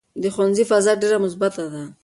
د ښوونځي فضا ډېره مثبته ده.